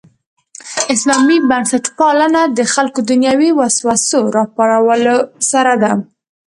اسلامي بنسټپالنه د خلکو دنیوي وسوسو راپارولو سره ده.